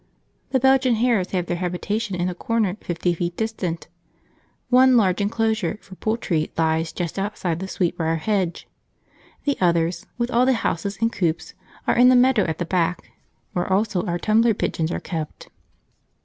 The Belgian hares have their habitation in a corner fifty feet distant; one large enclosure for poultry lies just outside the sweetbrier hedge; the others, with all the houses and coops, are in the meadow at the back, where also our tumbler pigeons are kept.